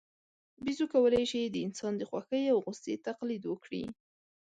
بیزو کولای شي د انسان د خوښۍ او غوسې تقلید وکړي.